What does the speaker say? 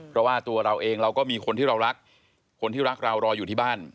เพราะว่าตัวเราเองเราก็มีคนที่เรารักคนที่รักเรารออยู่ที่บ้าน